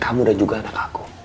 aku dari sana